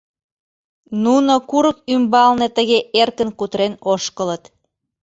Нуно курык ӱмбалне тыге эркын кутырен ошкылыт.